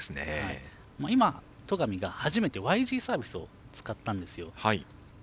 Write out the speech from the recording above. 今、戸上が初めてＹＧサービスを使ったんですよ。